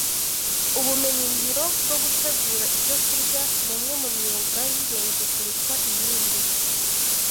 Ubumenyingiro bwo gutegura ibyokurya ni umwe mu myuga y’ingenzi kurusha iyindi